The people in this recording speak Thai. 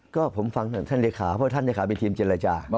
ก็ผมฟังท่านเลขาเพราะท่านเลขาเป็นทีมเจรจา